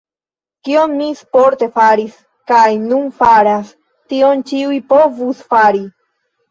Kion mi sporte faris kaj nun faras, tion ĉiuj povus fari.